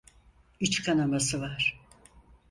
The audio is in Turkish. İç kanaması var.